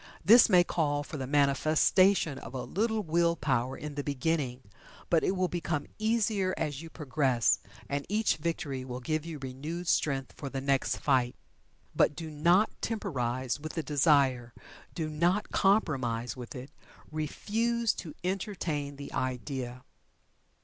This may call for the manifestation of a little will power in the beginning, but it will become easier as you progress, and each victory will give you renewed strength for the next fight. But do not temporize with the desire do not compromise with it refuse to entertain the idea.